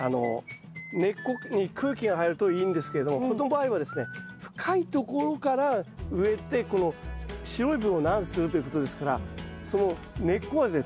根っこに空気が入るといいんですけどこの場合はですね深いところから植えてこの白い部分を長くするということですからその根っこはですね